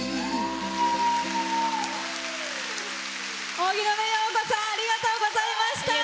荻野目洋子さんありがとうございました。